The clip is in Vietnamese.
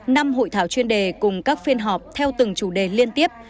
năm hội thảo chuyên đề cùng các phiên họp theo từng chủ đề liên tiếp